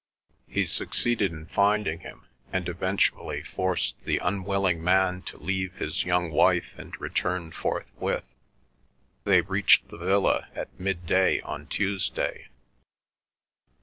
He succeeded in finding him, and eventually forced the unwilling man to leave his young wife and return forthwith. They reached the villa at midday on Tuesday.